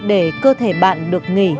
để cơ thể bạn được nghỉ